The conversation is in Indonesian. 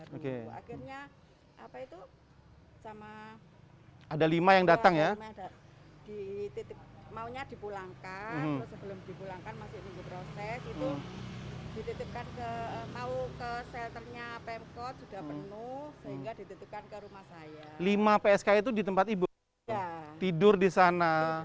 mereka berani bersikap mereka berani bersikap